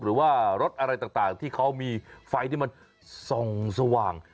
หรือว่ารถอะไรต่างที่เขามีไฟที่มันส่องสว่าง